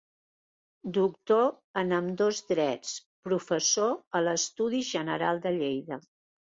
Doctor en ambdós drets, professor a l'Estudi general de Lleida.